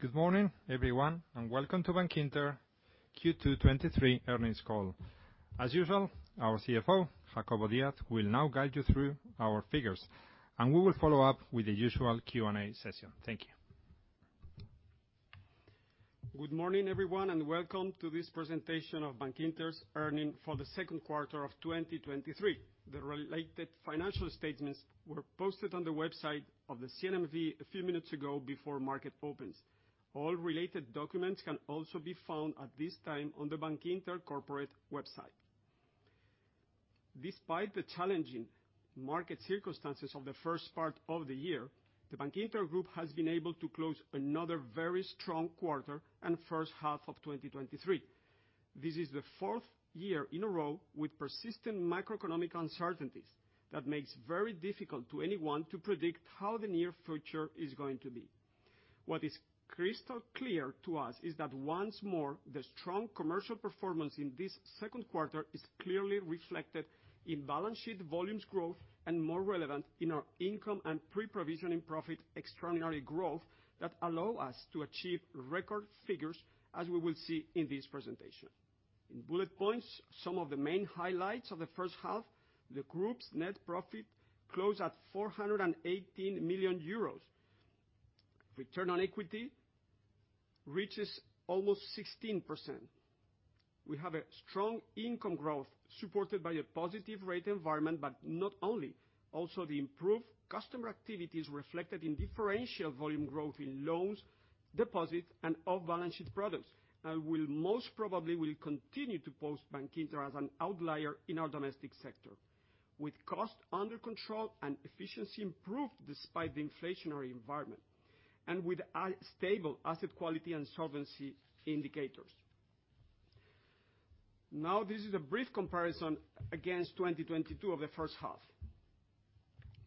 Good morning, everyone, and welcome to Bankinter Q2 2023 earnings call. As usual, our CFO, Jacobo Díaz, will now guide you through our figures, and we will follow up with the usual Q&A session. Thank you. Good morning, everyone. Welcome to this presentation of Bankinter's earnings for the second quarter of 2023. The related financial statements were posted on the website of the CNMV a few minutes ago before market opens. All related documents can also be found at this time on the Bankinter corporate website. Despite the challenging market circumstances of the first part of the year, the Bankinter Group has been able to close another very strong quarter and first half of 2023. This is the fourth year in a row with persistent macroeconomic uncertainties that makes very difficult to anyone to predict how the near future is going to be. What is crystal clear to us is that, once more, the strong commercial performance in this second quarter is clearly reflected in balance sheet volumes growth, more relevant, in our income and pre-provisioning profit extraordinary growth, that allow us to achieve record figures, as we will see in this presentation. In bullet points, some of the main highlights of the first half: the group's net profit closed at 418 million euros. Return on equity reaches almost 16%. We have a strong income growth supported by a positive rate environment, not only, also the improved customer activity is reflected in differential volume growth in loans, deposits, and off-balance sheet products, will most probably continue to post Bankinter as an outlier in our domestic sector. With costs under control and efficiency improved despite the inflationary environment, and with stable asset quality and solvency indicators. Now, this is a brief comparison against 2022 of the first half.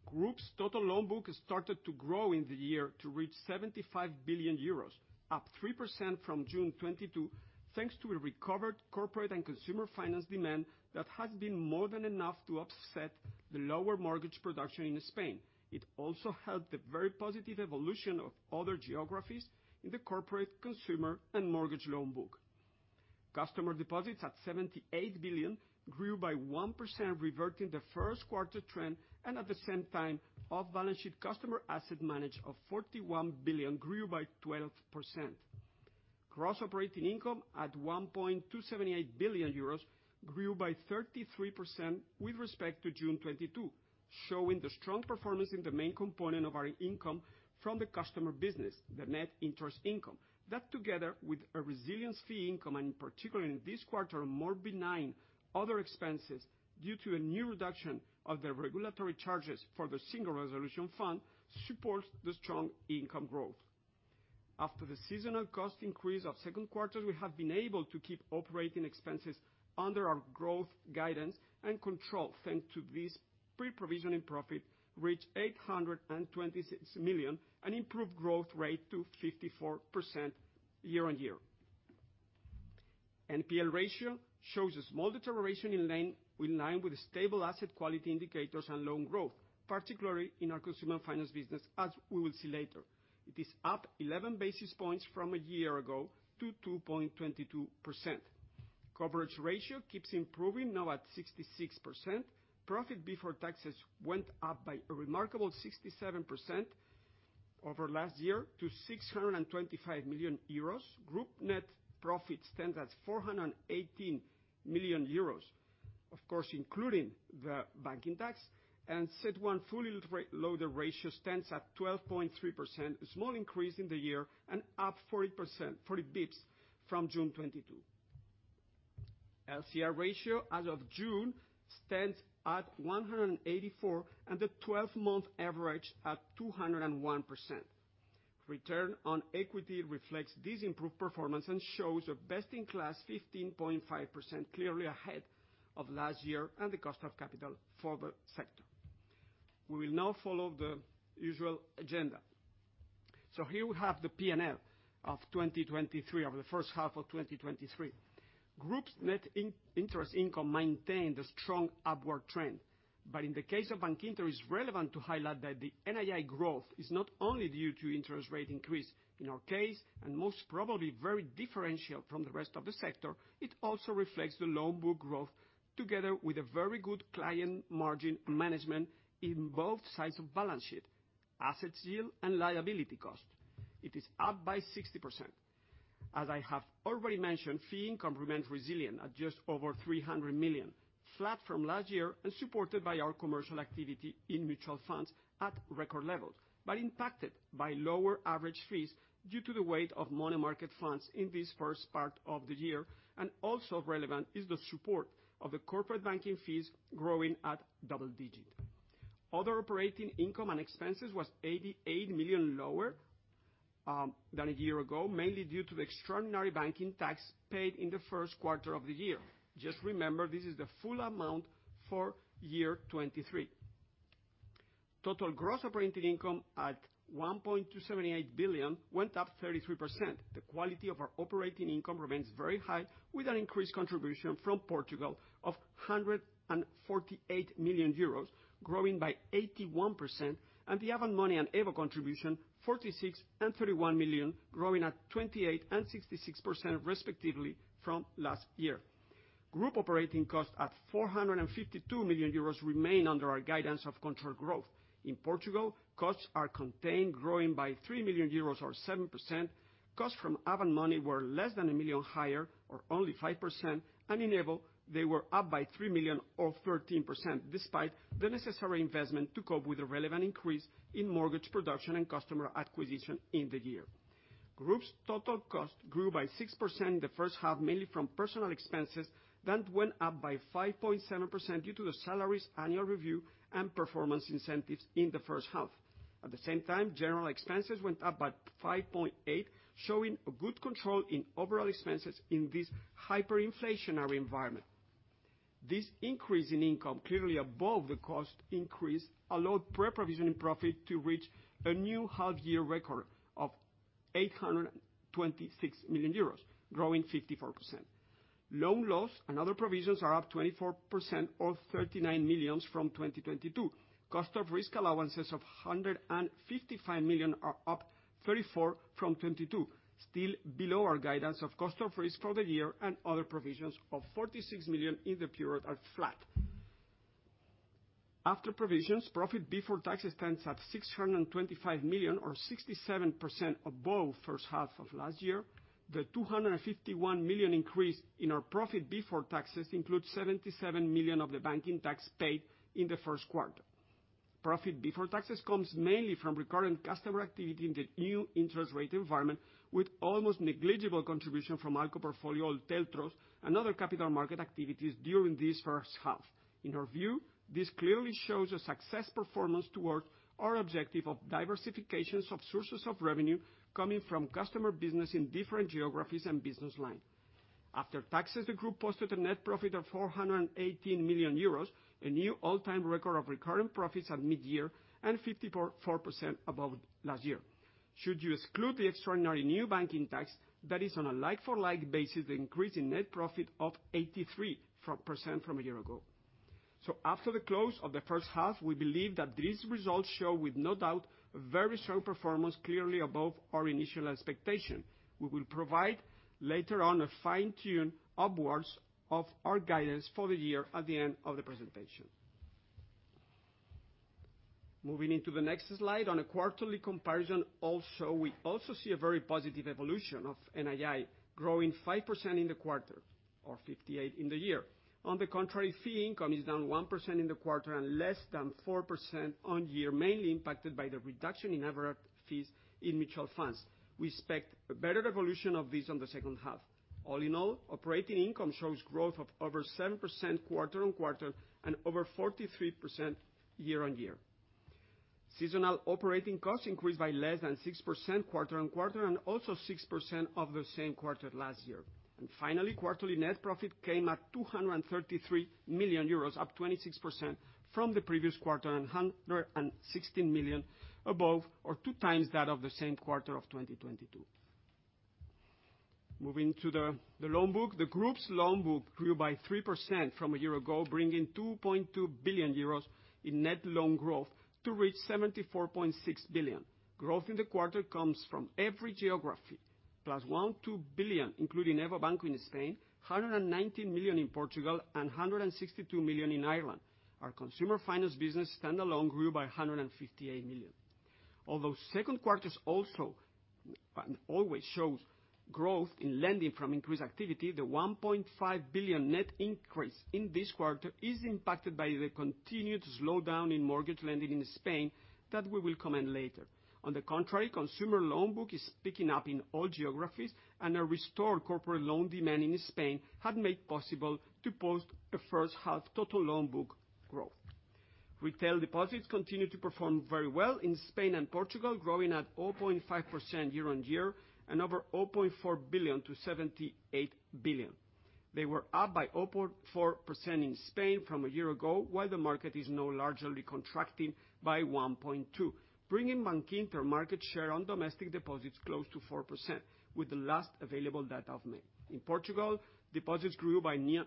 Group's total loan book started to grow in the year to reach 75 billion euros, up 3% from June 2022, thanks to a recovered corporate and consumer finance demand that has been more than enough to offset the lower mortgage production in Spain. It also helped the very positive evolution of other geographies in the corporate, consumer, and mortgage loan book. Customer deposits at 78 billion grew by 1%, reverting the first quarter trend, and at the same time, off-balance sheet customer asset manage of 41 billion grew by 12%. Gross operating income at 1.278 billion euros grew by 33% with respect to June 2022, showing the strong performance in the main component of our income from the customer business, the Net Interest Income. Together with a resilience fee income, in particular in this quarter, more benign other expenses due to a new reduction of the regulatory charges for the Single Resolution Fund, supports the strong income growth. After the seasonal cost increase of second quarter, we have been able to keep operating expenses under our growth guidance and control. Thanks to this, pre-provisioning profit reached 826 million, an improved growth rate to 54% year-on-year. NPL ratio shows a small deterioration in line with stable asset quality indicators and loan growth, particularly in our Consumer Finance business, as we will see later. It is up 11 basis points from a year ago to 2.22%. Coverage ratio keeps improving, now at 66%. Profit before taxes went up by a remarkable 67% over last year to 625 million euros. Group net profit stands at 418 million euros, of course, including the banking tax. CET1 fully loaded ratio stands at 12.3%, a small increase in the year, and up 40%, 40 basis points from June 2022. LCR ratio as of June stands at 184, and the 12-month average at 201%. Return on equity reflects this improved performance and shows a best-in-class 15.5%, clearly ahead of last year and the cost of capital for the sector. We will now follow the usual agenda. Here we have the P&L of 2023, of the first half of 2023. Group's net interest income maintained a strong upward trend, but in the case of Bankinter, it's relevant to highlight that the NII growth is not only due to interest rate increase. In our case, and most probably very differential from the rest of the sector, it also reflects the loan book growth, together with a very good client margin management in both sides of balance sheet, assets yield, and liability cost. It is up by 60%. As I have already mentioned, fee income remains resilient at just over 300 million, flat from last year and supported by our commercial activity in mutual funds at record levels, but impacted by lower average fees due to the weight of money market funds in this first part of the year. Also relevant is the support of the corporate banking fees growing at double digit. Other operating income and expenses was 88 million lower than a year ago, mainly due to the extraordinary banking tax paid in the first quarter of the year. Just remember, this is the full amount for year 2023. Total gross operating income at 1.278 billion went up 33%. The quality of our operating income remains very high, with an increased contribution from Portugal of 148 million euros, growing by 81%, and the Avant Money and EVO contribution, 46 million and 31 million, growing at 28% and 66% respectively from last year. Group operating costs at 452 million euros remain under our guidance of controlled growth. In Portugal, costs are contained, growing by 3 million euros or 7%. Costs from Avant Money were less than 1 million higher, or only 5%. In EVO, they were up by 3 million or 13%, despite the necessary investment to cope with the relevant increase in mortgage production and customer acquisition in the year. Group's total cost grew by 6% in the first half, mainly from personal expenses that went up by 5.7% due to the salaries, annual review, and performance incentives in the first half. At the same time, general expenses went up by 5.8%, showing a good control in overall expenses in this hyperinflationary environment. This increase in income, clearly above the cost increase, allowed pre-provision in profit to reach a new half-year record of 826 million euros, growing 54%. Loan loss and other provisions are up 24% or 39 million from 2022. Cost of risk allowances of 155 million are up 34 from 22, still below our guidance of cost of risk for the year, and other provisions of 46 million in the period are flat. After provisions, profit before taxes stands at 625 million or 67% above first half of last year. The 251 million increase in our profit before taxes includes 77 million of the banking tax paid in the first quarter. Profit before taxes comes mainly from recurrent customer activity in the new interest rate environment, with almost negligible contribution from ALCO portfolio, TLTROs, and other capital market activities during this first half. In our view, this clearly shows a success performance toward our objective of diversifications of sources of revenue coming from customer business in different geographies and business line. After taxes, the group posted a net profit of 418 million euros, a new all-time record of recurring profits at mid-year and 54% above last year. Should you exclude the extraordinary new banking tax, that is on a like-for-like basis, the increase in net profit of 83% from a year ago. After the close of the first half, we believe that these results show, with no doubt, a very strong performance, clearly above our initial expectation. We will provide later on a fine-tune upwards of our guidance for the year at the end of the presentation. Moving into the next slide, on a quarterly comparison, we also see a very positive evolution of NII, growing 5% in the quarter, or 58% in the year. On the contrary, fee income is down 1% in the quarter and less than 4% year-on-year, mainly impacted by the reduction in average fees in mutual funds. We expect a better evolution of this on the second half. All in all, operating income shows growth of over 7% quarter-on-quarter and over 43% year-on-year. Seasonal operating costs increased by less than 6% quarter-on-quarter, and also 6% of the same quarter last year. Finally, quarterly net profit came at 233 million euros, up 26% from the previous quarter, and 116 million above, or 2x that of the same quarter of 2022. Moving to the loan book. The group's loan book grew by 3% from a year ago, bringing 2.2 billion euros in net loan growth to reach 74.6 billion. Growth in the quarter comes from every geography, +1.2 billion, including EVO Banco in Spain, 119 million in Portugal, and 162 million in Ireland. Our consumer finance business, standalone, grew by 158 million. Although second quarters also always shows growth in lending from increased activity, the 1.5 billion net increase in this quarter is impacted by the continued slowdown in mortgage lending in Spain that we will comment later. On the contrary, consumer loan book is picking up in all geographies, and a restored corporate loan demand in Spain had made possible to post a first half total loan book growth. Retail deposits continue to perform very well in Spain and Portugal, growing at 0.5% year-on-year and over 0.4 billion-78 billion. They were up by 0.4% in Spain from a year ago, while the market is now largely contracting by 1.2%, bringing Bankinter market share on domestic deposits close to 4%, with the last available data of May. In Portugal, deposits grew by 9%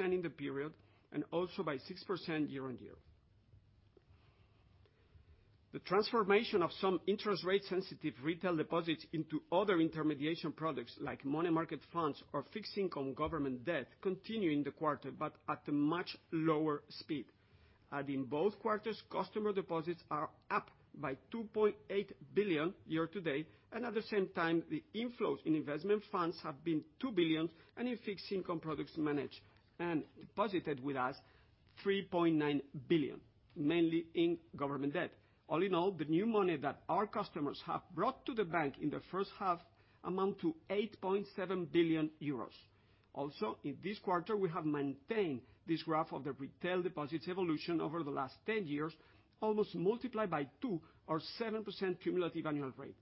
in the period and also by 6% year-on-year. The transformation of some interest rate sensitive retail deposits into other intermediation products, like money market funds or fixed income government debt, continue in the quarter, at a much lower speed. In both quarters, customer deposits are up by 2.8 billion year-to-date, and at the same time, the inflows in investment funds have been 2 billion, and in fixed income products managed and deposited with us, 3.9 billion, mainly in government debt. All in all, the new money that our customers have brought to the bank in the first half amount to 8.7 billion euros. Also, in this quarter, we have maintained this graph of the retail deposits evolution over the last 10 years, almost multiplied by two or 7% cumulative annual rate.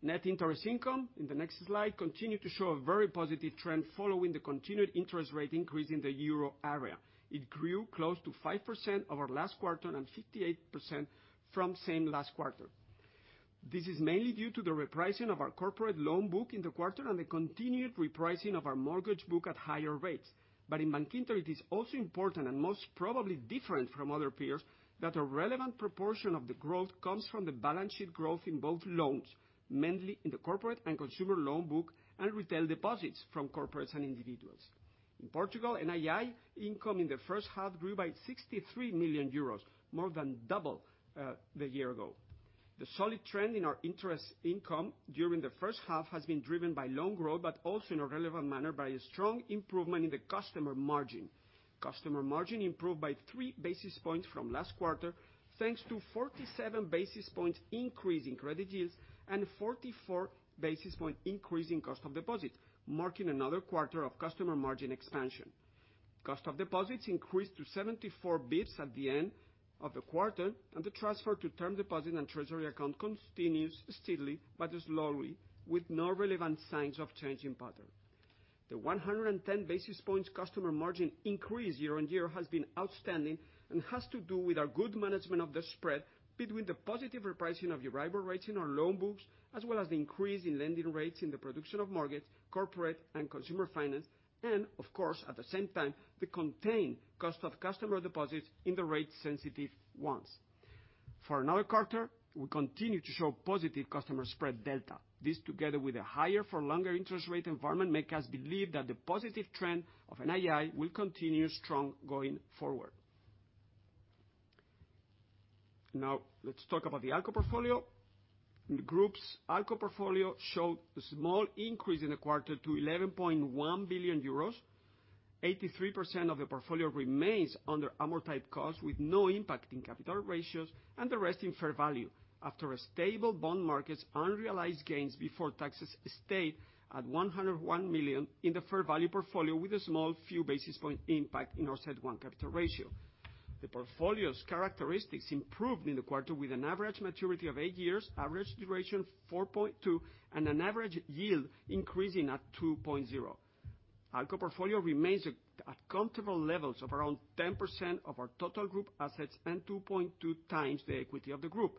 Net interest income, in the next slide, continued to show a very positive trend following the continued interest rate increase in the Euro area. It grew close to 5% over last quarter and 58% from same last quarter. This is mainly due to the repricing of our corporate loan book in the quarter and the continued repricing of our mortgage book at higher rates. In Bankinter, it is also important, and most probably different from other peers, that a relevant proportion of the growth comes from the balance sheet growth in both loans, mainly in the corporate and consumer loan book, and retail deposits from corporates and individuals. In Portugal, NII income in the first half grew by 63 million euros, more than double the year-ago. The solid trend in our interest income during the first half has been driven by loan growth, but also in a relevant manner, by a strong improvement in the customer margin. Customer margin improved by 3 basis points from last quarter, thanks to 47 basis points increase in credit yields and 44 basis points increase in cost of deposits, marking another quarter of customer margin expansion. Cost of deposits increased to 74 basis points at the end of the quarter, and the transfer to term deposit and treasury account continues steadily, but slowly, with no relevant signs of changing pattern. The 110 basis points customer margin increase year-over-year has been outstanding, and has to do with our good management of the spread between the positive repricing of arrival rates in our loan books, as well as the increase in lending rates in the production of mortgage, corporate, and consumer finance, and of course, at the same time, the contained cost of customer deposits in the rate-sensitive ones. For another quarter, we continue to show positive customer spread delta. This, together with a higher for longer interest rate environment, make us believe that the positive trend of NII will continue strong going forward. Let's talk about the ALCO portfolio. The group's ALCO portfolio showed a small increase in the quarter to 11.1 billion euros. 83% of the portfolio remains under amortized cost, with no impact in capital ratios, and the rest in fair value. After a stable bond markets, unrealized gains before taxes stayed at 101 million in the fair value portfolio, with a small few basis point impact in our CET1 capital ratio. The portfolio's characteristics improved in the quarter, with an average maturity of eight years, average duration 4.2, and an average yield increasing at 2.0. ALCO portfolio remains at comfortable levels of around 10% of our total group assets and 2.2x the equity of the group.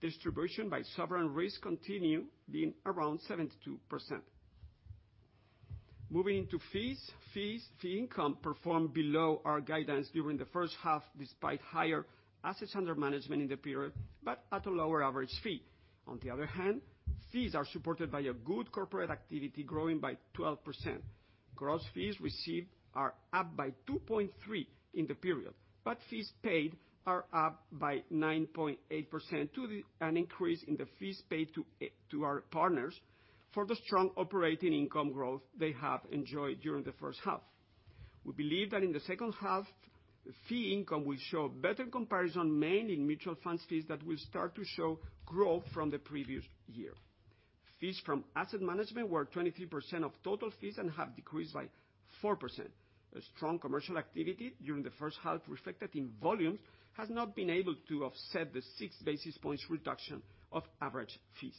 Distribution by sovereign risk continue being around 72%. Moving into fees. Fee income performed below our guidance during the first half, despite higher assets under management in the period, but at a lower average fee. Fees are supported by a good corporate activity, growing by 12%. Gross fees received are up by 2.3% in the period, fees paid are up by 9.8% to an increase in the fees paid to our partners for the strong operating income growth they have enjoyed during the first half. We believe that in the second half, fee income will show better comparison, mainly in mutual funds fees that will start to show growth from the previous year. Fees from asset management were 23% of total fees and have decreased by 4%. A strong commercial activity during the first half, reflected in volumes, has not been able to offset the 6 basis points reduction of average fees.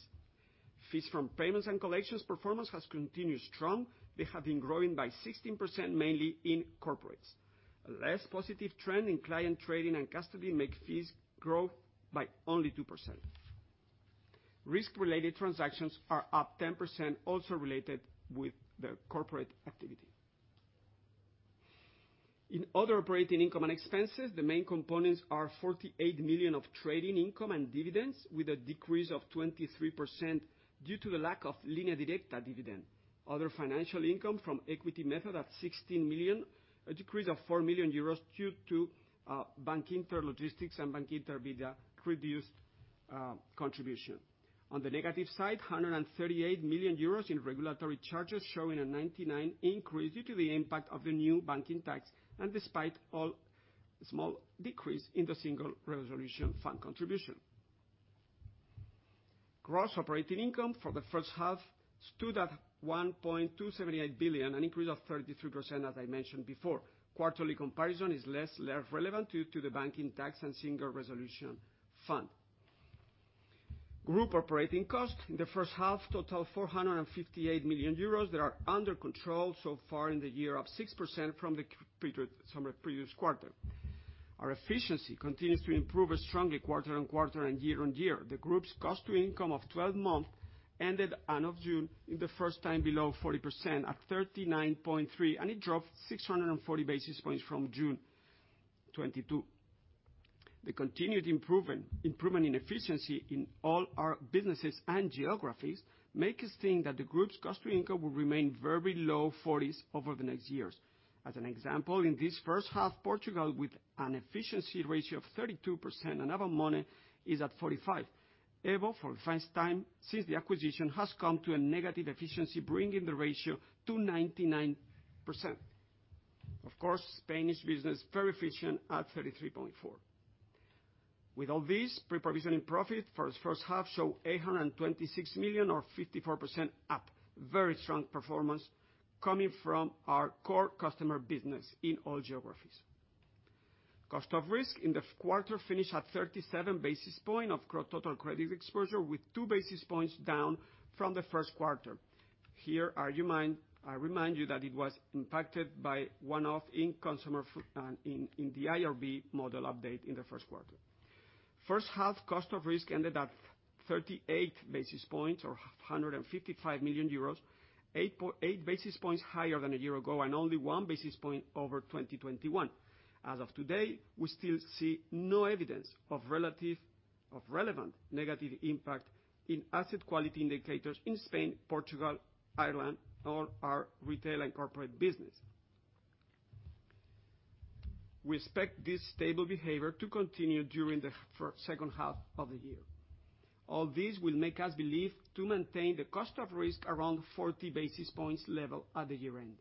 Fees from payments and collections performance has continued strong. They have been growing by 16%, mainly in corporates. A less positive trend in client trading and custody make fees grow by only 2%. Risk-related transactions are up 10%, also related with the corporate activity. In other operating income and expenses, the main components are 48 million of trading income and dividends, with a decrease of 23% due to the lack of Línea Directa dividend. Other financial income from equity method at 16 million, a decrease of 4 million euros due to Bankinter Logística and Bankinter Vida reduced contribution. On the negative side, 138 million euros in regulatory charges, showing a 99% increase due to the impact of the new banking tax, and despite all small decrease in the Single Resolution Fund contribution. Gross operating income for the first half stood at 1.278 billion, an increase of 33%, as I mentioned before. Quarterly comparison is less relevant due to the banking tax and Single Resolution Fund. Group operating costs in the first half total 458 million euros. They are under control so far in the year, up 6% from the previous quarter. Our efficiency continues to improve strongly quarter-on-quarter and year-on-year. The group's cost to income of 12 months ended as of June, the first time below 40% at 39.3%. It dropped 640 basis points from June 2022. The continued improvement in efficiency in all our businesses and geographies make us think that the group's cost to income will remain very low 40s over the next years. As an example, in this first half, Portugal, with an efficiency ratio of 32%. Avant Money is at 45%. EVO, for the first time since the acquisition, has come to a negative efficiency, bringing the ratio to 99%. Of course, Spanish business, very efficient at 33.4%. With all this, pre-provision in profit for the first half show 826 million or 54% up. Very strong performance coming from our core customer business in all geographies. Cost of risk in the quarter finished at 37 basis points of total credit exposure, with 2 basis points down from the first quarter. Here, I remind you that it was impacted by one-off in the IRB model update in the first quarter. First half cost of risk ended at 38 basis points or 155 million euros, 8 basis points higher than a year ago, only 1 basis point over 2021. As of today, we still see no evidence of relevant negative impact in asset quality indicators in Spain, Portugal, Ireland, or our retail and corporate business. We expect this stable behavior to continue during the second half of the year. All this will make us believe to maintain the cost of risk around 40 basis points level at the year-end.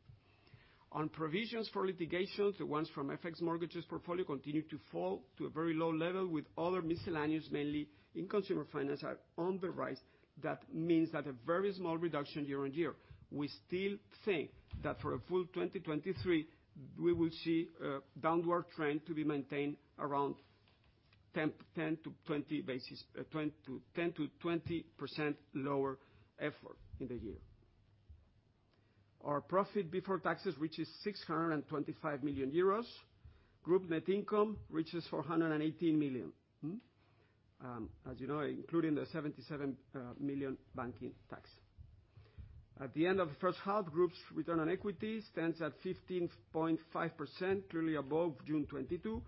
On provisions for litigation, the ones from FX mortgages portfolio continue to fall to a very low level, with other miscellaneous, mainly in consumer finance, are on the rise. A very small reduction year-on-year. We still think that for a full 2023, we will see a downward trend to be maintained around 10%-20% lower effort in the year. Our profit before taxes, which is 625 million euros. Group net income reaches 418 million. As you know, including the 77 million banking tax. At the end of the first half, Group's return on equity stands at 15.5%, clearly above June 2022,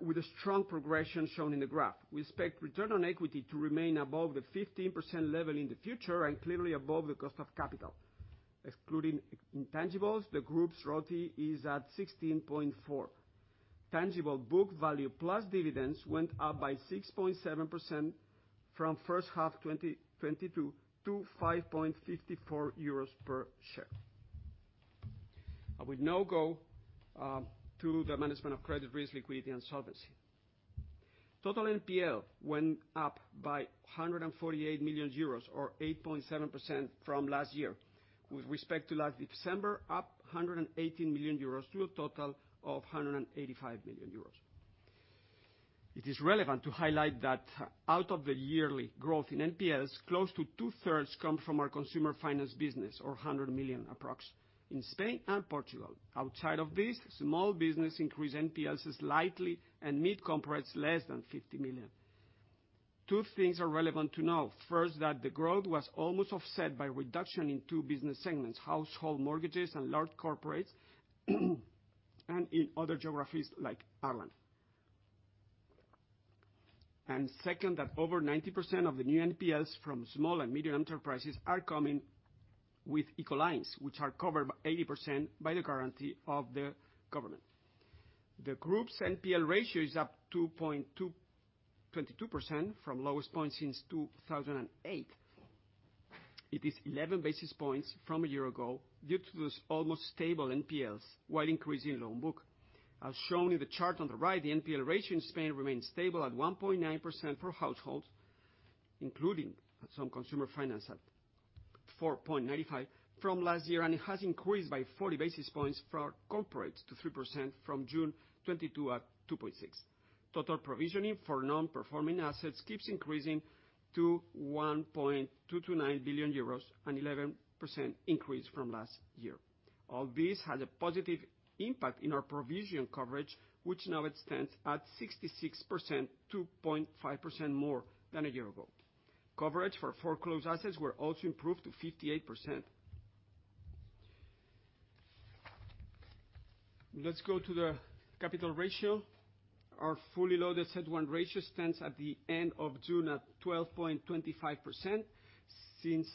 with a strong progression shown in the graph. We expect return on equity to remain above the 15% level in the future, and clearly above the cost of capital. Excluding intangibles, the Group's ROTE is at 16.4%. Tangible book value plus dividends went up by 6.7% from first half 2022 to 5.54 euros per share. I will now go to the management of credit risk, liquidity, and solvency. Total NPL went up by 148 million euros, or 8.7% from last year. With respect to last December, up 118 million euros, to a total of 185 million euros. It is relevant to highlight that out of the yearly growth in NPLs, close to two-thirds come from our consumer finance business, or 100 million approx, in Spain and Portugal. Outside of this, small business increase NPLs slightly, and mid corporates less than 50 million. Two things are relevant to know. First, that the growth was almost offset by reduction in two business segments: household mortgages and large corporates, and in other geographies like Ireland. Second, that over 90% of the new NPLs from small and medium enterprises are coming with ICO lines, which are covered by 80% by the guarantee of the government. The group's NPL ratio is up 22% from lowest point since 2008. It is 11 basis points from a year ago, due to this almost stable NPLs, while increasing loan book. As shown in the chart on the right, the NPL ratio in Spain remains stable at 1.9% for households, including some consumer finance at 4.95% from last year, and it has increased by 40 basis points for corporates to 3% from June 2022 at 2.6%. Total provisioning for non-performing assets keeps increasing to 1.229 billion euros, an 11% increase from last year. All this has a positive impact in our provision coverage, which now it stands at 66%, 2.5% more than a year ago. Coverage for foreclosed assets were also improved to 58%. Let's go to the capital ratio. Our fully loaded CET1 ratio stands at the end of June at 12.25%. Since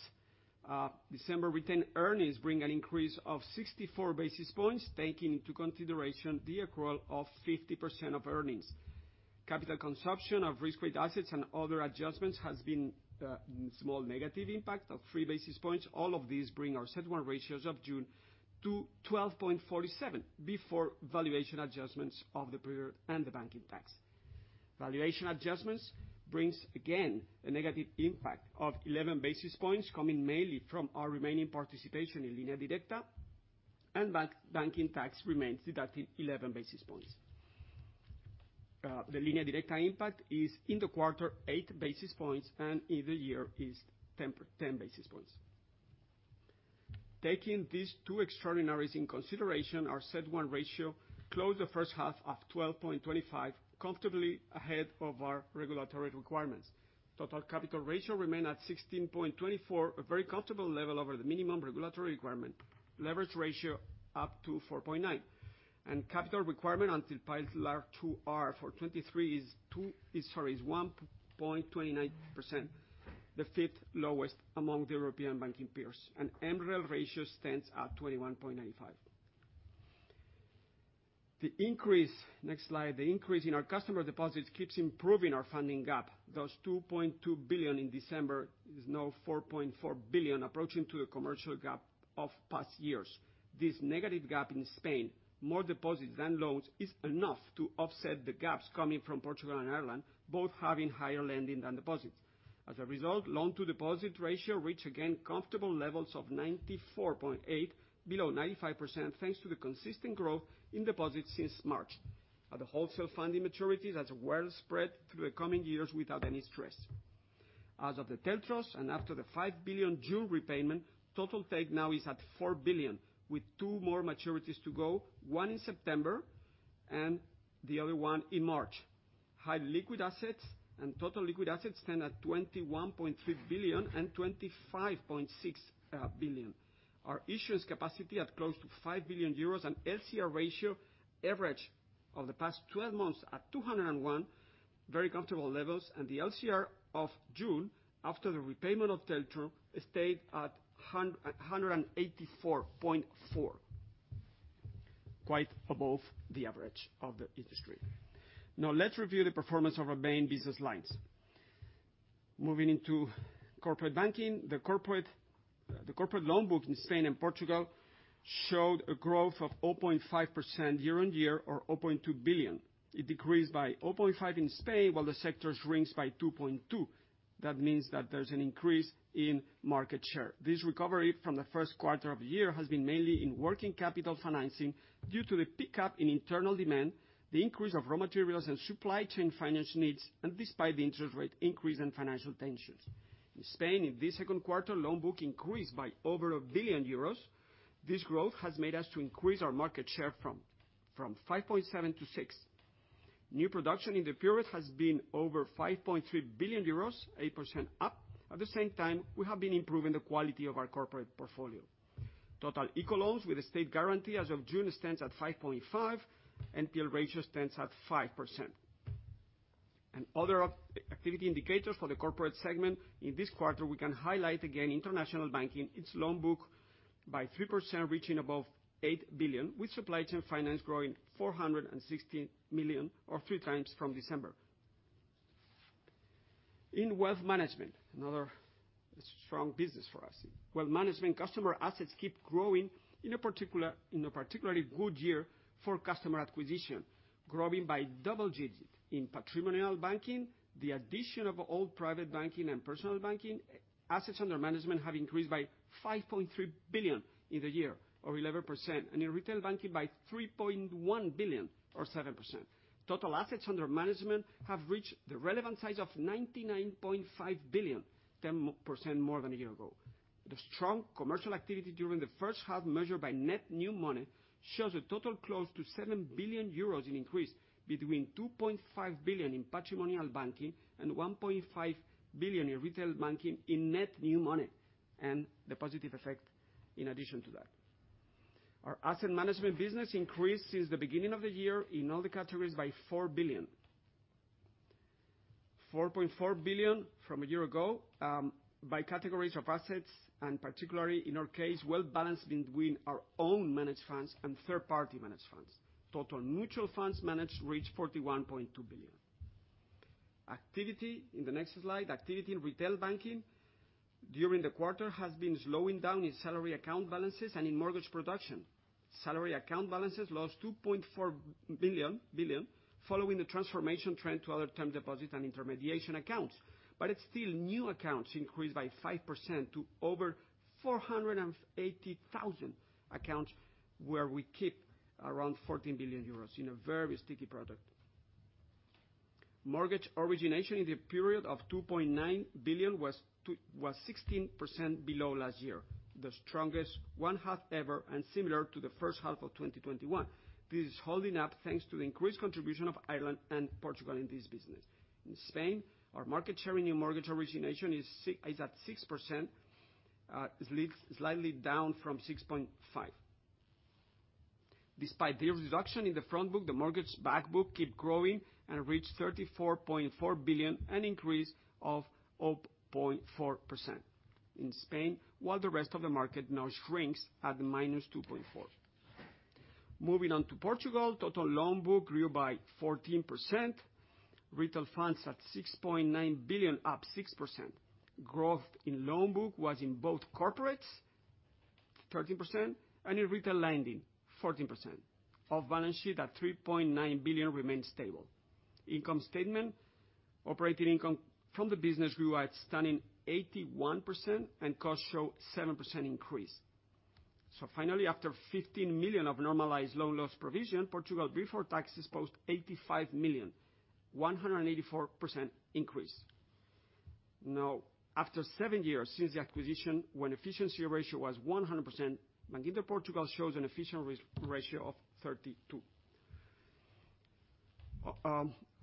December, retained earnings bring an increase of 64 basis points, taking into consideration the accrual of 50% of earnings. Capital consumption of risk weight assets and other adjustments has been a small negative impact of 3 basis points. All of these bring our CET1 ratios of June to 12.47, before valuation adjustments of the period and the banking tax. Valuation adjustments brings, again, a negative impact of 11 basis points, coming mainly from our remaining participation in Línea Directa, and banking tax remains deducted 11 basis points. The Línea Directa impact is, in the quarter, 8 basis points, and in the year is 10 basis points. Taking these two extraordinaries in consideration, our CET1 ratio closed the first half of 12.25, comfortably ahead of our regulatory requirements. Total capital ratio remained at 16.24%, a very comfortable level over the minimum regulatory requirement. Leverage ratio up to 4.9%. Capital requirement on the Pillar 2R for 2023 is 1.29%, the fifth lowest among the European banking peers, and MREL ratio stands at 21.95%. Next slide. The increase in our customer deposits keeps improving our funding gap. Those 2.2 billion in December is now 4.4 billion, approaching to a commercial gap of past years. This negative gap in Spain, more deposits than loans, is enough to offset the gaps coming from Portugal and Ireland, both having higher lending than deposits. As a result, loan to deposit ratio reached again comfortable levels of 94.8%, below 95%, thanks to the consistent growth in deposits since March. At the wholesale funding maturities are well spread through the coming years without any stress. As of the TLTROs, and after the 5 billion June repayment, total take now is at 4 billion, with two more maturities to go, one in September and the other one in March. High liquid assets and total liquid assets stand at 21.3 billion and 25.6 billion. Our issuance capacity at close to 5 billion euros and LCR ratio average of the past 12 months at 201, very comfortable levels, and the LCR of June, after the repayment of TLTRO, stayed at 184.4, quite above the average of the industry. Let's review the performance of our main business lines. Moving into corporate banking, the corporate loan book in Spain and Portugal showed a growth of 0.5% year-on-year or 0.2 billion. It decreased by 0.5% in Spain, while the sectors shrinks by 2.2%. That means that there's an increase in market share. This recovery from the first quarter of the year has been mainly in working capital financing due to the pickup in internal demand, the increase of raw materials and supply chain finance needs, and despite the interest rate increase and financial tensions. In Spain, in this second quarter, loan book increased by over 1 billion euros. This growth has made us to increase our market share from 5.7% to 6%. New production in the period has been over 5.3 billion euros, 8% up. At the same time, we have been improving the quality of our corporate portfolio. Total ICO loans with a state guarantee as of June stands at 5.5, NPL ratio stands at 5%. Other activity indicators for the corporate segment, in this quarter, we can highlight again, international banking, its loan book by 3%, reaching above 8 billion, with supply chain finance growing 460 million or 3x from December. In wealth management, another strong business for us. Wealth management customer assets keep growing in a particularly good year for customer acquisition, growing by double digits. In patrimonial banking, the addition of all private banking and personal banking, assets under management have increased by 5.3 billion in the year, or 11%, and in retail banking by 3.1 billion, or 7%. Total assets under management have reached the relevant size of 99.5 billion, 10% more than a year ago. The strong commercial activity during the first half, measured by net new money, shows a total close to 7 billion euros in increase between 2.5 billion in patrimonial banking and 1.5 billion in retail banking in net new money, and the positive effect in addition to that. Our asset management business increased since the beginning of the year in all the categories by 4 billion. 4.4 billion from a year ago, by categories of assets, and particularly in our case, well balanced between our own managed funds and third-party managed funds. Total mutual funds managed reached 41.2 billion. Activity, in the next slide, activity in retail banking during the quarter has been slowing down in salary account balances and in mortgage production. Salary account balances lost 2.4 billion, following the transformation trend to other term deposits and intermediation accounts. It's still new accounts increased by 5% to over 480,000 accounts, where we keep around 14 billion euros in a very sticky product. Mortgage origination in the period of 2.9 billion was 16% below last year, the strongest one half ever, and similar to the first half of 2021. This is holding up thanks to the increased contribution of Ireland and Portugal in this business. In Spain, our market share in new mortgage origination is at 6%, slightly down from 6.5%. Despite the reduction in the front book, the mortgage back book keep growing and reached 34.4 billion, an increase of 0.4% in Spain, while the rest of the market now shrinks at -2.4%. Moving on to Portugal, total loan book grew by 14%. Retail funds at 6.9 billion, up 6%. Growth in loan book was in both corporates, 13%, and in retail lending, 14%. Off-balance sheet at 3.9 billion remains stable. Income statement, operating income from the business grew at stunning 81%, and cost show 7% increase. Finally, after 15 million of normalized loan loss provision, Portugal, before taxes, posted 85 million, 184% increase. After seven years since the acquisition, when efficiency ratio was 100%, Bankinter Portugal shows an efficient ratio of 32%.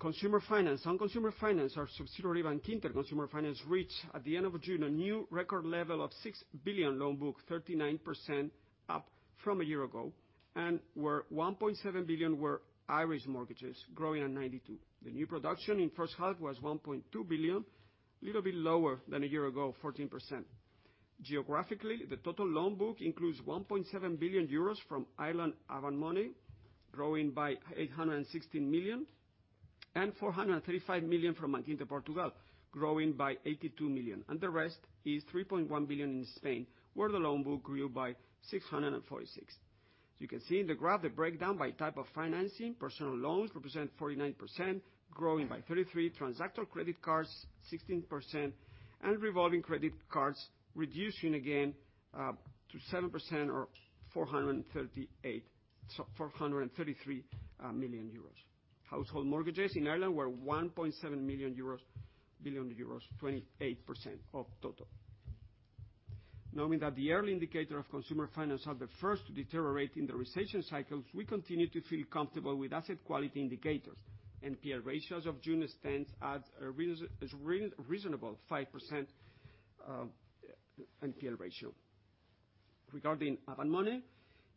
Consumer finance. On consumer finance, our subsidiary, Bankinter Consumer Finance, reached, at the end of June, a new record level of 6 billion loan book, 39% up from a year ago, and where 1.7 billion were Irish mortgages, growing at 92%. The new production in first half was 1.2 billion, little bit lower than a year ago, 14%. Geographically, the total loan book includes 1.7 billion euros from Ireland Avant Money, growing by 860 million, and 435 million from Bankinter Portugal, growing by 82 million, and the rest is 3.1 billion in Spain, where the loan book grew by 646. You can see in the graph, the breakdown by type of financing. Personal loans represent 49%, growing by 33%, transactor credit cards 16%, and revolving credit cards reducing again to 7% or 438, so 433 million euros. Household mortgages in Ireland were 1.7 billion euros, 28% of total. Knowing that the early indicator of consumer finance are the first to deteriorate in the recession cycles, we continue to feel comfortable with asset quality indicators. NPL ratios of June stands at a reasonable 5% NPL ratio. Regarding Avant Money,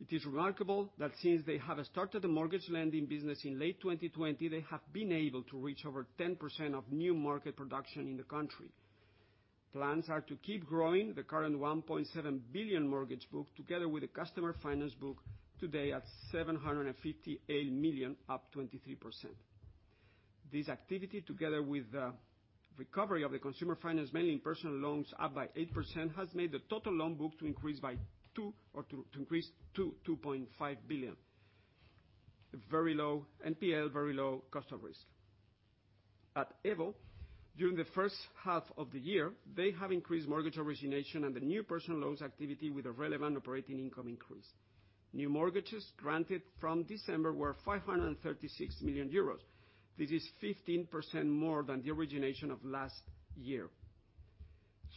it is remarkable that since they have started the mortgage lending business in late 2020, they have been able to reach over 10% of new market production in the country. Plans are to keep growing the current 1.7 billion mortgage book, together with the customer finance book, today at 758 million, up 23%. This activity, together with the recovery of the consumer finance, mainly in personal loans, up by 8%, has made the total loan book to increase to 2.5 billion. Very low NPL, very low cost of risk. At EVO, during the first half of the year, they have increased mortgage origination and the new personal loans activity with a relevant operating income increase. New mortgages granted from December were 536 million euros. This is 15% more than the origination of last year.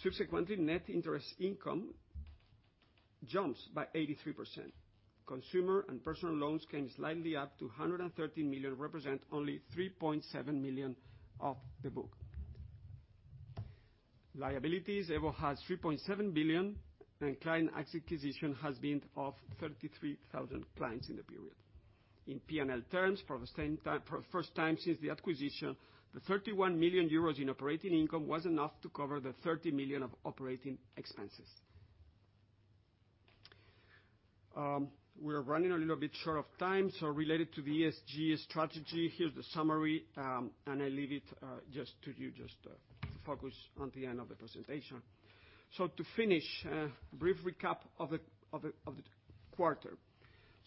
Subsequently, net interest income jumps by 83%. Consumer and personal loans came slightly up to 113 million, represent only 3.7 million of the book. Liabilities, EVO has 3.7 billion, and client acquisition has been of 33,000 clients in the period. In P&L terms, for the same time, for the first time since the acquisition, the 31 million euros in operating income was enough to cover the 30 million of operating expenses. We're running a little bit short of time, related to the ESG strategy, here's the summary. I leave it just to you to focus on the end of the presentation. To finish, a brief recap of the quarter.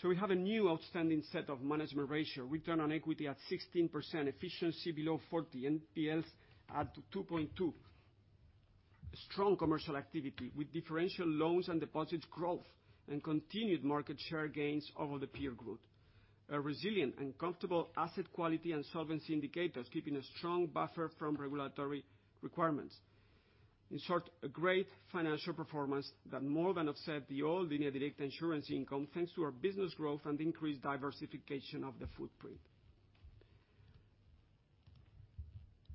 We have a new outstanding set of management ratio, return on equity at 16%, efficiency below 40, NPLs at 2.2%. Strong commercial activity with differential loans and deposits growth, and continued market share gains over the peer group. A resilient and comfortable asset quality and solvency indicators, keeping a strong buffer from regulatory requirements. In short, a great financial performance that more than offset the old Línea Directa insurance income, thanks to our business growth and increased diversification of the footprint.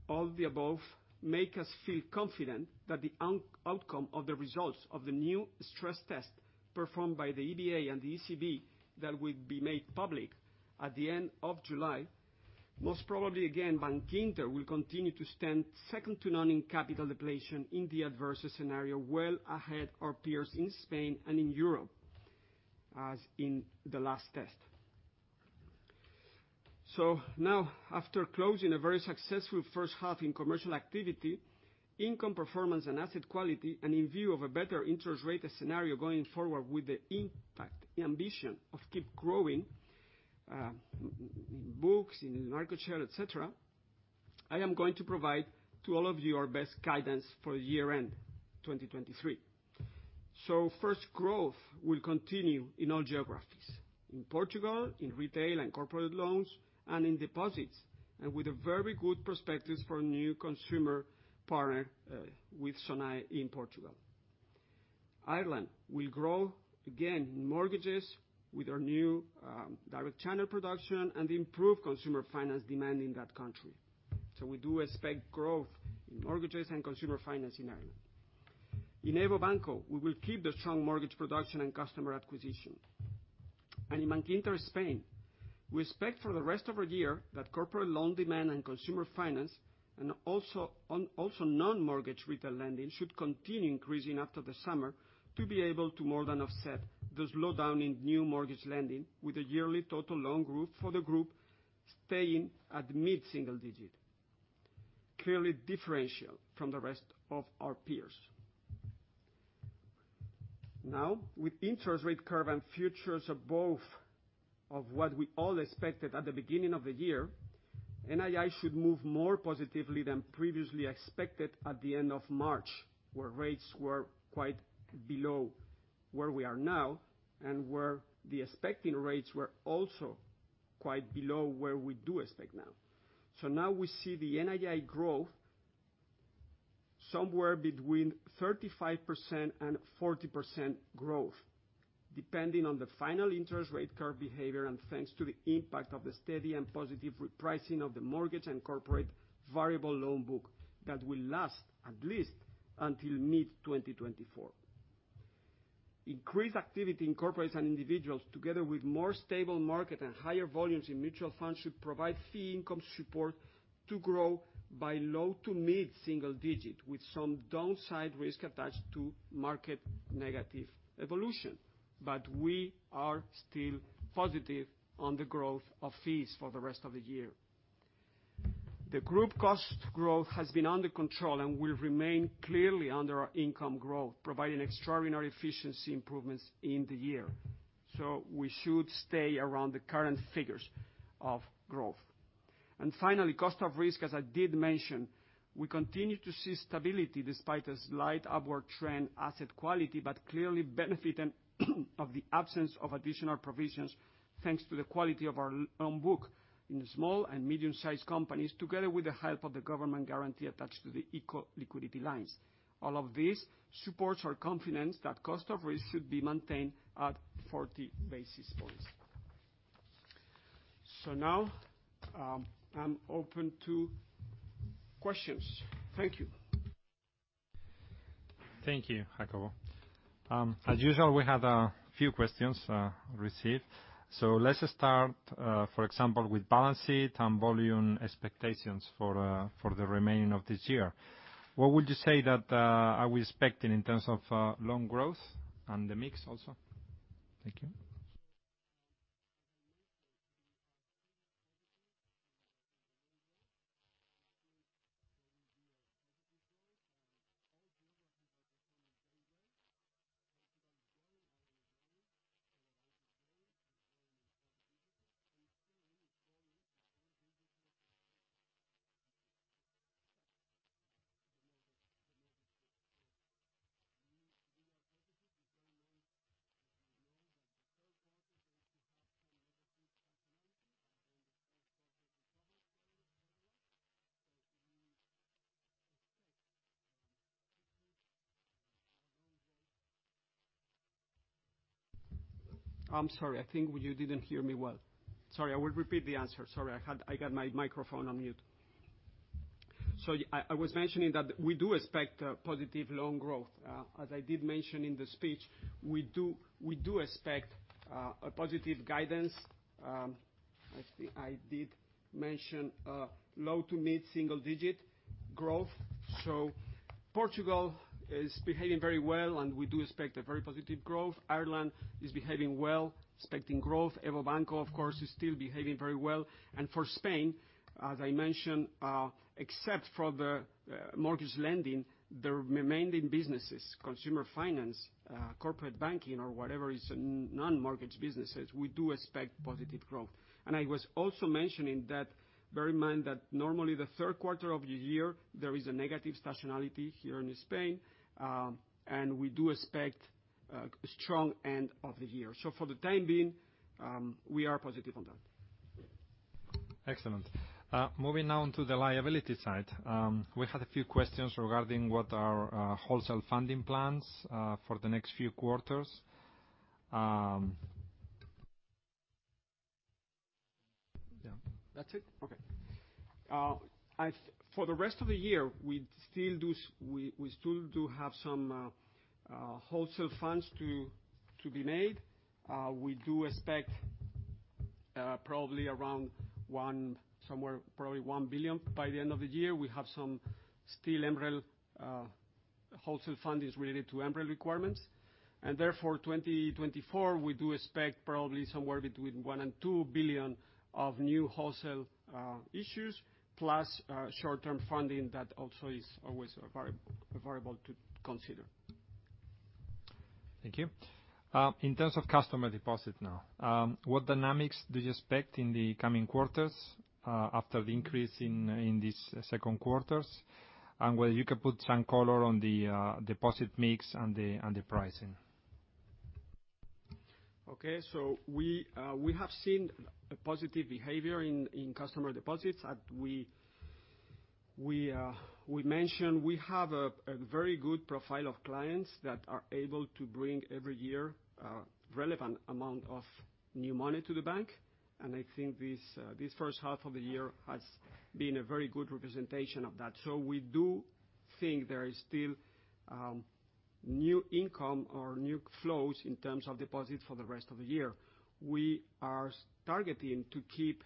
All the above make us feel confident that the outcome of the results of the new stress test performed by the EBA and the ECB, that will be made public at the end of July, most probably again, Bankinter will continue to stand second to none in capital depletion in the adverse scenario, well ahead our peers in Spain and in Europe, as in the last test. Now, after closing a very successful first half in commercial activity, income performance, and asset quality, and in view of a better interest rate scenario going forward with the impact, the ambition of keep growing books in market share, et cetera, I am going to provide to all of you our best guidance for year-end 2023. First, growth will continue in all geographies: in Portugal, in retail and corporate loans, and in deposits, and with a very good prospectus for new consumer partner with Sonae in Portugal. Ireland will grow again in mortgages with our new direct channel production and improved consumer finance demand in that country. We do expect growth in mortgages and consumer finance in Ireland. In EVO Banco, we will keep the strong mortgage production and customer acquisition. In Bankinter Spain, we expect for the rest of the year that corporate loan demand and consumer finance, and also non-mortgage retail lending, should continue increasing after the summer to be able to more than offset the slowdown in new mortgage lending, with a yearly total loan growth for the group staying at mid-single digit, clearly differential from the rest of our peers. With interest rate curve and futures above of what we all expected at the beginning of the year, NII should move more positively than previously expected at the end of March, where rates were quite below where we are now, and where the expecting rates were also quite below where we do expect now. Now we see the NII growth somewhere between 35% and 40% growth, depending on the final interest rate curve behavior and thanks to the impact of the steady and positive repricing of the mortgage and corporate variable loan book that will last at least until mid-2024. Increased activity in corporates and individuals, together with more stable market and higher volumes in mutual funds, should provide fee income support to grow by low to mid-single digit, with some downside risk attached to market negative evolution. We are still positive on the growth of fees for the rest of the year. The group cost growth has been under control and will remain clearly under our income growth, providing extraordinary efficiency improvements in the year. We should stay around the current figures of growth. Finally, cost of risk, as I did mention, we continue to see stability despite a slight upward trend, asset quality, but clearly benefiting of the absence of additional provisions, thanks to the quality of our loan book in the small and medium-sized companies, together with the help of the government guarantee attached to the ICO liquidity lines. All of this supports our confidence that cost of risk should be maintained at 40 basis points. Now, I'm open to questions. Thank you. Thank you, Jacobo. As usual, we had a few questions received. Let's start for example, with balance sheet and volume expectations for the remaining of this year. What would you say that are we expecting in terms of loan growth and the mix also? Thank you. I'm sorry, I think you didn't hear me well. Sorry, I will repeat the answer. Sorry, I got my microphone on mute. I was mentioning that we do expect positive loan growth. As I did mention in the speech, we do expect a positive guidance. I think I did mention low to mid-single digit growth. Portugal is behaving very well, and we do expect a very positive growth. Ireland is behaving well, expecting growth. Evo Banco, of course, is still behaving very well. For Spain, as I mentioned, except for the mortgage lending, the remaining businesses, consumer finance, corporate banking or whatever is non-mortgage businesses, we do expect positive growth. I was also mentioning that, bear in mind that normally the third quarter of the year, there is a negative seasonality here in Spain, and we do expect a strong end of the year. For the time being, we are positive on that. Excellent. Moving on to the liability side. We had a few questions regarding what are wholesale funding plans for the next few quarters. That's it? Okay. For the rest of the year, we still do have some wholesale funds to be made. We do expect probably 1 billion by the end of the year. We have some still MREL wholesale fundings related to MREL requirements. Therefore, 2024, we do expect probably somewhere between 1 billion and 2 billion of new wholesale issues, plus short-term funding that also is always a variable to consider. Thank you. In terms of customer deposit now, what dynamics do you expect in the coming quarters, after the increase in this second quarters? Whether you can put some color on the deposit mix and the pricing? Okay. We have seen a positive behavior in customer deposits. We mentioned we have a very good profile of clients that are able to bring every year relevant amount of new money to the bank, and I think this first half of the year has been a very good representation of that. We do think there is still new income or new flows in terms of deposits for the rest of the year. We are targeting to keep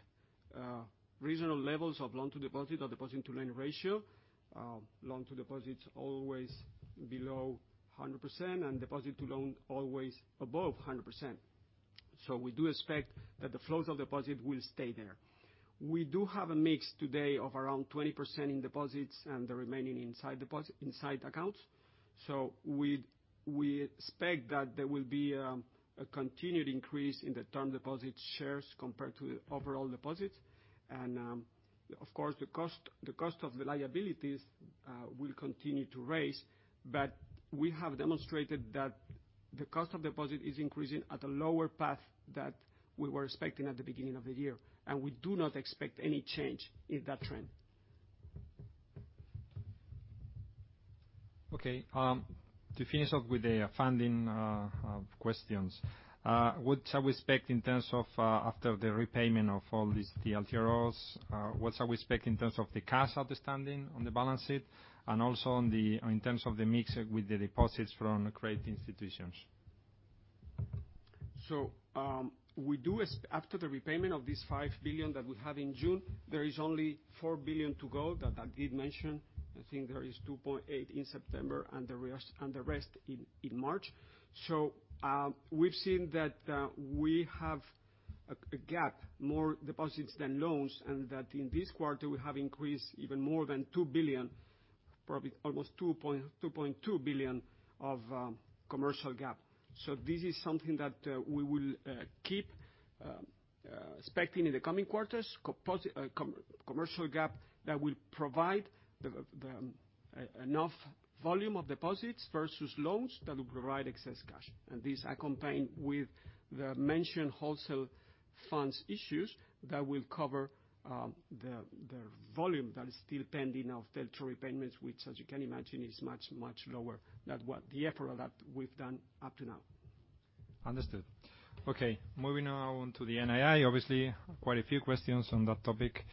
reasonable levels of loan to deposit or deposit to loan ratio. Loan to deposit's always below 100%, and deposit to loan always above 100%. We do expect that the flows of deposit will stay there. We do have a mix today of around 20% in deposits and the remaining inside accounts. We expect that there will be a continued increase in the term deposit shares compared to overall deposits. Of course, the cost of the liabilities will continue to raise, but we have demonstrated that the cost of deposit is increasing at a lower path that we were expecting at the beginning of the year, and we do not expect any change in that trend. Okay, to finish off with the funding questions, what are we expect in terms of after the repayment of all these, the LTROs, what are we expect in terms of the cash outstanding on the balance sheet and also on the, in terms of the mix with the deposits from credit institutions?... After the repayment of this 5 billion that we have in June, there is only 4 billion to go, that I did mention. I think there is 2.8 billion in September, and the rest in March. We've seen that we have a gap, more deposits than loans, and that in this quarter, we have increased even more than 2 billion, probably almost 2.2 billion of commercial gap. This is something that we will keep expecting in the coming quarters, commercial gap that will provide the enough volume of deposits versus loans that will provide excess cash. These are combined with the mentioned wholesale funds issues that will cover the volume that is still pending of debt repayments, which, as you can imagine, is much, much lower than what the effort that we've done up to now. Understood. Moving on to the NII. Obviously, quite a few questions on that topic.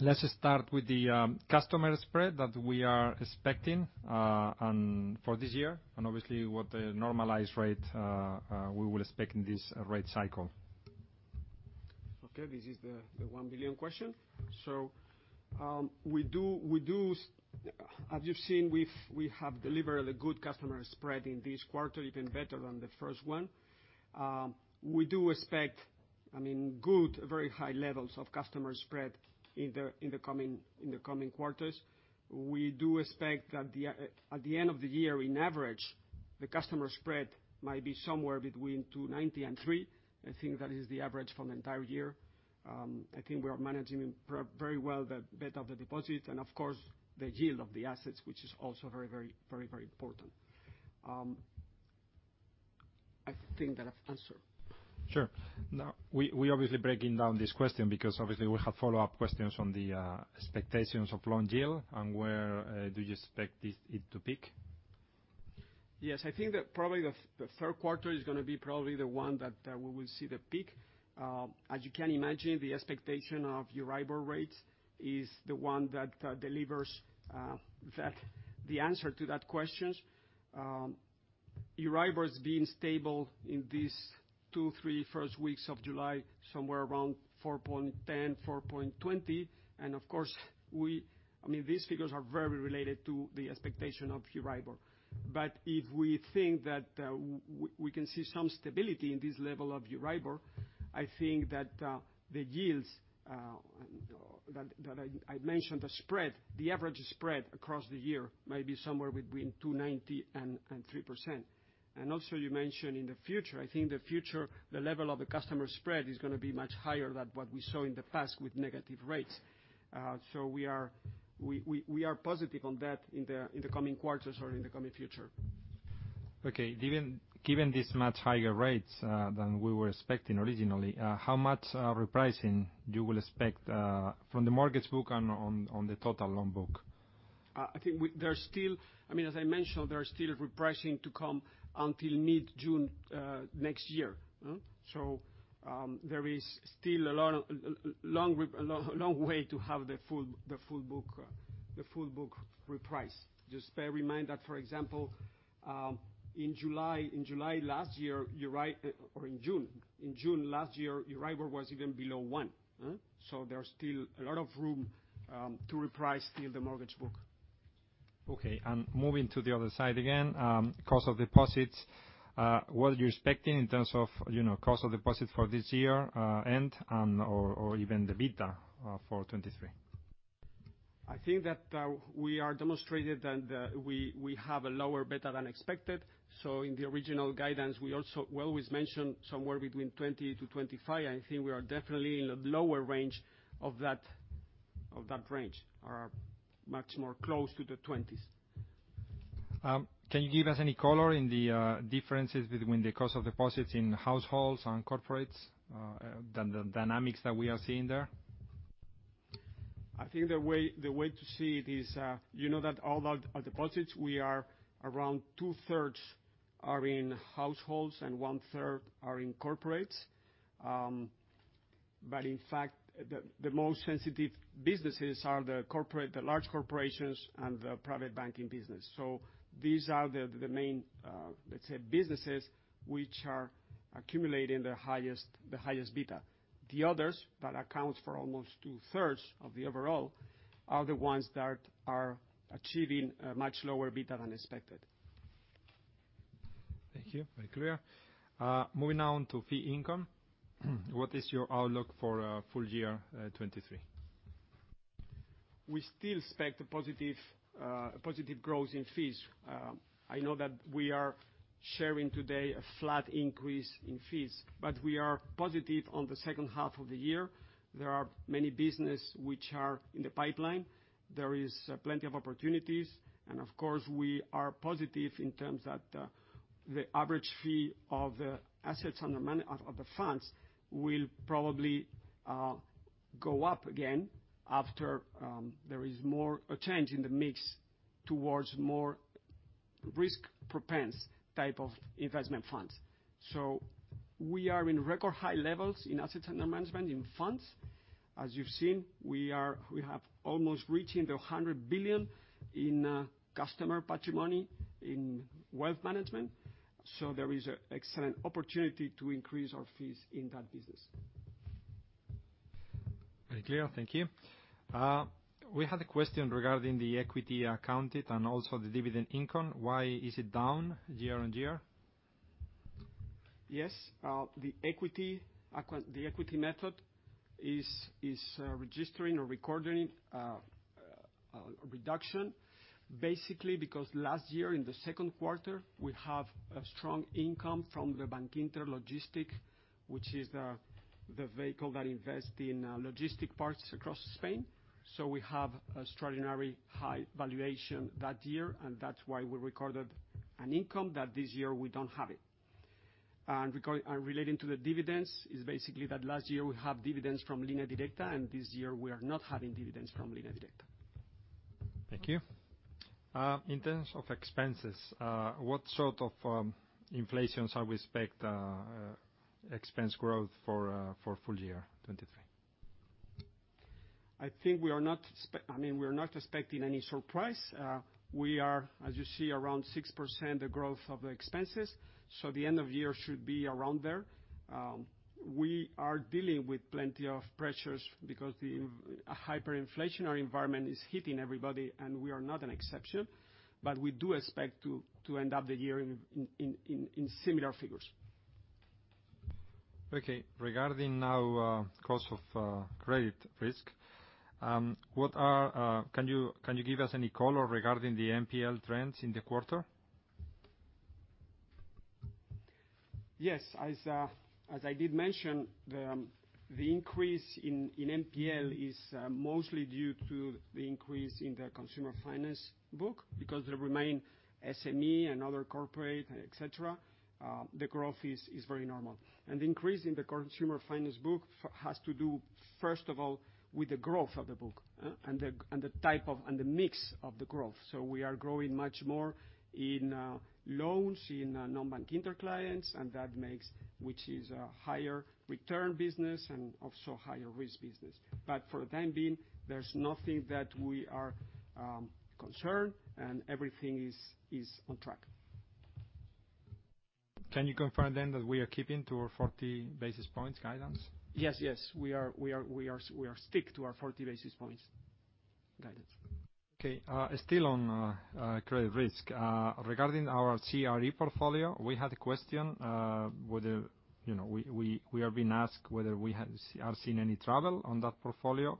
Let's start with the customer spread that we are expecting on, for this year, and obviously, what the normalized rate we will expect in this rate cycle. This is the 1 billion question. We do as you've seen, we have delivered a good customer spread in this quarter, even better than the first one. We do expect, I mean, good, very high levels of customer spread in the coming quarters. We do expect that at the end of the year, in average, the customer spread might be somewhere between 2.90% and 3%. I think that is the average for the entire year. I think we are managing very well the beta of the deposit and, of course, the yield of the assets, which is also very, very, very, very important. I think that I've answered. Sure. Now, we're obviously breaking down this question because, obviously, we have follow-up questions on the expectations of loan yield, and where do you expect it to peak? Yes, I think that probably the third quarter is gonna be probably the one that we will see the peak. As you can imagine, the expectation of Euribor rates is the one that delivers that, the answer to that questions. Euribor's been stable in these two, three first weeks of July, somewhere around 4.10, 4.20, and of course, I mean, these figures are very related to the expectation of Euribor. If we think that we can see some stability in this level of Euribor, I think that the yields and that I mentioned, the spread, the average spread across the year might be somewhere between 2.90 and 3%. You mentioned in the future, I think the future, the level of the customer spread is gonna be much higher than what we saw in the past with negative rates. We are positive on that in the coming quarters or in the coming future. Okay, given these much higher rates, than we were expecting originally, how much repricing do you expect from the mortgage book on the total loan book? I think there are still, I mean, as I mentioned, there are still repricing to come until mid-June next year. There is still a lot, a long, long way to have the full book repriced. Just bear in mind that, for example, in July, in July last year, Euribor or in June, in June last year, Euribor was even below 1? There's still a lot of room to reprice the mortgage book. Okay, moving to the other side again, cost of deposits, what are you expecting in terms of, you know, cost of deposits for this year, end and, or even the beta, for 2023? I think that, we are demonstrated that, we have a lower beta than expected. In the original guidance, we always mentioned somewhere between 20-25. I think we are definitely in a lower range of that range, or much more close to the 20s. Can you give us any color in the differences between the cost of deposits in households and corporates, the dynamics that we are seeing there? I think the way to see it is, you know, that all our deposits, we are around 2/3 are in households and 1/3 are in corporates. In fact, the most sensitive businesses are the large corporations and the private banking business. These are the main, let's say, businesses, which are accumulating the highest beta. The others, that accounts for almost 2/3 of the overall, are the ones that are achieving a much lower beta than expected. Thank you. Very clear. Moving on to fee income. What is your outlook for full year 2023? We still expect a positive growth in fees. I know that we are sharing today a flat increase in fees, we are positive on the second half of the year. There are many business which are in the pipeline. There is plenty of opportunities, of course, we are positive in terms of the average fee of the assets under management of the funds will probably go up again after there is more a change in the mix towards more risk-propense type of investment funds. we are in record high levels in asset under management in funds. As you've seen, we have almost reaching the 100 billion in customer patrimony in wealth management, so there is a excellent opportunity to increase our fees in that business. Very clear, thank you. We had a question regarding the equity accounted and also the dividend income. Why is it down year-on-year? Yes, the equity method is registering or recording a reduction, basically, because last year, in the second quarter, we have a strong income from the Bankinter Logística, which is the vehicle that invest in logistic parts across Spain. We have extraordinary high valuation that year, that's why we recorded an income that this year we don't have it. Relating to the dividends, is basically that last year we have dividends from Línea Directa, this year we are not having dividends from Línea Directa. Thank you. In terms of expenses, what sort of expense growth for full year 2023? I think I mean, we are not expecting any surprise. We are, as you see, around 6% the growth of the expenses, so the end of year should be around there. We are dealing with plenty of pressures because the, a hyperinflationary environment is hitting everybody, and we are not an exception, but we do expect to end up the year in similar figures. Okay, regarding now, cost of credit risk. Can you give us any color regarding the NPL trends in the quarter? Yes. As I did mention, the increase in NPL is mostly due to the increase in the consumer finance book, because the remain SME and other corporate, et cetera, the growth is very normal. The increase in the consumer finance book has to do, first of all, with the growth of the book, and the mix of the growth. We are growing much more in loans, in non-Bankinter clients, and that makes, which is a higher return business and also higher risk business. For the time being, there's nothing that we are concerned, and everything is on track. Can you confirm then that we are keeping to our 40 basis points guidance? Yes, we are stick to our 40 basis points guidance. Okay, still on credit risk, regarding our CRE portfolio, we had a question, whether, you know, we are being asked whether we are seeing any trouble on that portfolio,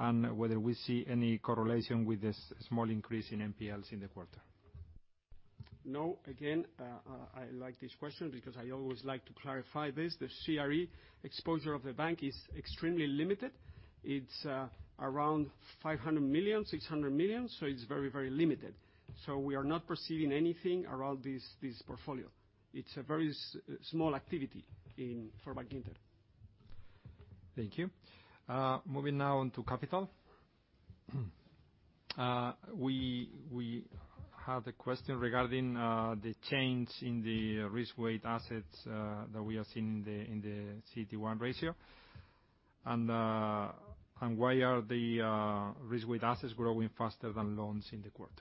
and whether we see any correlation with the small increase in NPLs in the quarter. No. Again, I like this question because I always like to clarify this. The CRE exposure of the bank is extremely limited. It's around 500 million, 600 million, it's very, very limited. We are not perceiving anything around this portfolio. It's a very small activity for Bankinter. Thank you. Moving now on to capital. We had a question regarding the change in the risk weight assets that we are seeing in the CET1 ratio. Why are the risk weight assets growing faster than loans in the quarter?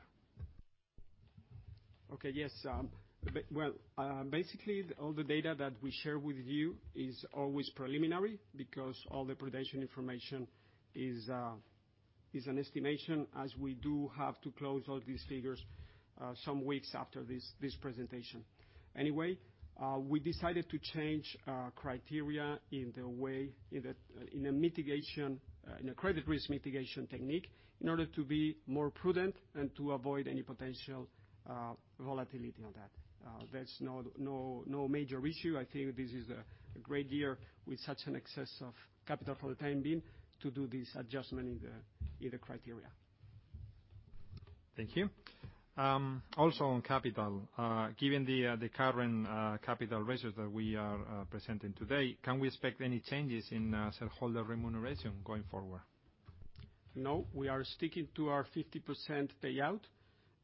Okay, yes. Basically, all the data that we share with you is always preliminary, because all theprudential information is an estimation, as we do have to close all these figures some weeks after this presentation. Anyway, we decided to change our criteria in the way, in a credit risk mitigation technique, in order to be more prudent and to avoid any potential volatility on that. There's no major issue. I think this is a great year with such an excess of capital for the time being, to do this adjustment in the criteria. Thank you. Also on capital, given the current capital ratios that we are presenting today, can we expect any changes in shareholder remuneration going forward? No, we are sticking to our 50% payout.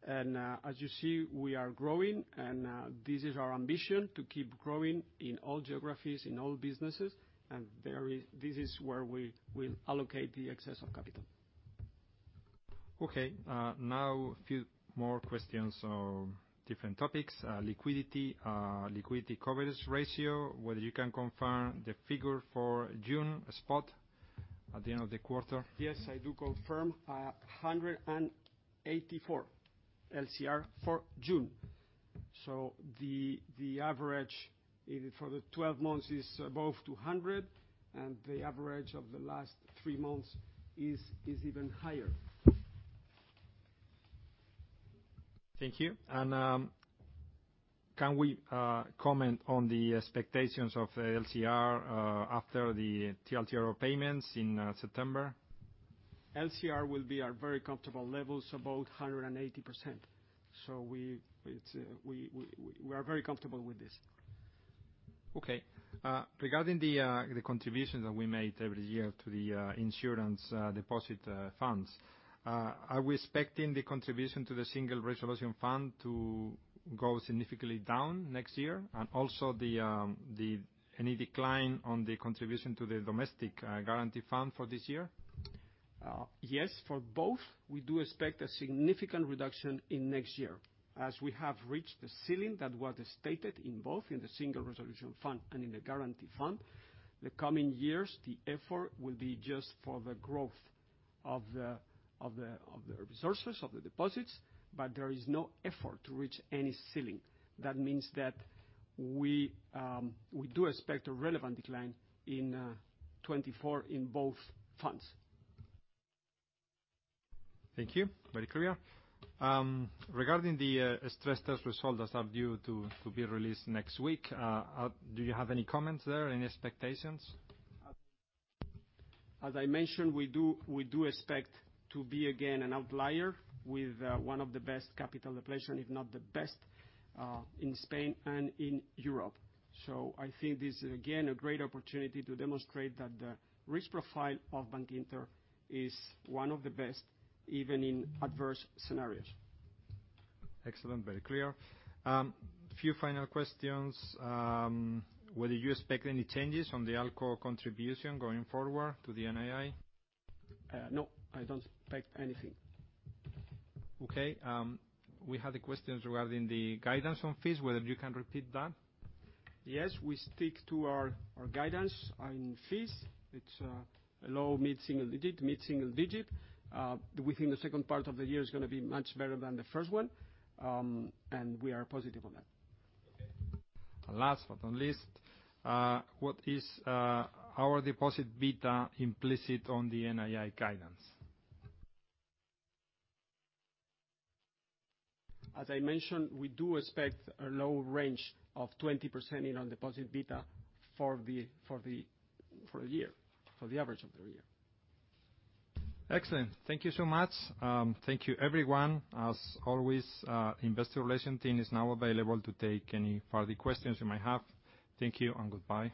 As you see, we are growing, and this is our ambition, to keep growing in all geographies, in all businesses. This is where we will allocate the excess of capital. Now a few more questions on different topics. Liquidity, liquidity coverage ratio, whether you can confirm the figure for June, a spot at the end of the quarter? Yes, I do confirm, 184 LCR for June. The average, for the 12 months is above 200, and the average of the last three months is even higher. Thank you. Can we comment on the expectations of the LCR after the TLTRO payments in September? LCR will be at very comfortable levels, above 180%. We, it's, we are very comfortable with this. Okay. Regarding the contribution that we make every year to the insurance deposit funds, are we expecting the contribution to the Single Resolution Fund to go significantly down next year, and also any decline on the contribution to the domestic Deposit Guarantee Fund for this year? yes, for both, we do expect a significant reduction in next year, as we have reached the ceiling that was stated in both in the Single Resolution Fund and in the Guarantee Fund. The coming years, the effort will be just for the growth of the resources, of the deposits. There is no effort to reach any ceiling. That means that we do expect a relevant decline in 2024 in both funds. Thank you. Very clear. Regarding the stress test results that are due to be released next week, do you have any comments there, any expectations? As I mentioned, we do expect to be, again, an outlier with one of the best capital depletion, if not the best, in Spain and in Europe. I think this is again, a great opportunity to demonstrate that the risk profile of Bankinter is one of the best, even in adverse scenarios. Excellent. Very clear. A few final questions. Whether you expect any changes on the ALCO contribution going forward to the NII? No, I don't expect anything. Okay, we had a question regarding the guidance on fees, whether you can repeat that? Yes, we stick to our guidance on fees. It's, a low mid-single digit. Within the second part of the year, it's gonna be much better than the first one. We are positive on that. Okay. Last but not least, what is our deposit beta implicit on the NII guidance? As I mentioned, we do expect a low range of 20% in our deposit beta for the year, for the average of the year. Excellent. Thank you so much. Thank you, everyone. As always, Investor Relations team is now available to take any further questions you may have. Thank you and goodbye.